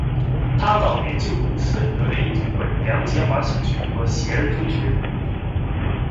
她早年就读顺德联谊总会梁洁华小学和协恩中学。